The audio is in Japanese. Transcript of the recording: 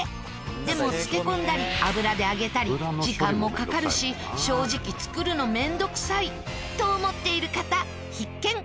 でも漬け込んだり油で揚げたり時間もかかるし正直作るの面倒くさい。と思っている方必見！